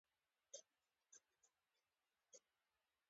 افغانستان کې د جواهرات د پرمختګ هڅې روانې دي.